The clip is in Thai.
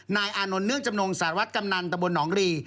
อานนท์เนื่องจำนงสารวัตรกำนันตะบนหนองรี